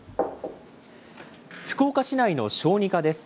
福岡市内の小児科です。